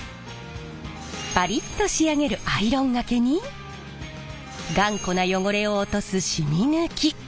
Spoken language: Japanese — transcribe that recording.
パリッと仕上げるアイロンがけに頑固な汚れを落とすしみ抜き。